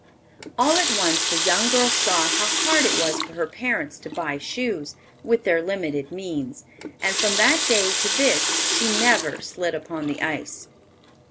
All at once the young girl saw how hard it was for her parents to buy shoes, with their limited means; and from that day to this she never slid upon the ice.